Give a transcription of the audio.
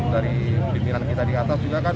dari pimpinan kita di atas juga kan